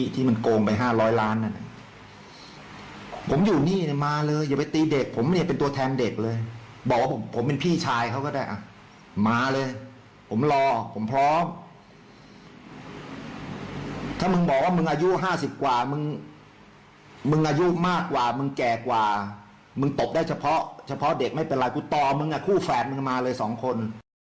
เฉพาะเด็กไม่เป็นไรกูต่อมึงคู่แฝดมึงมาเลยสองคน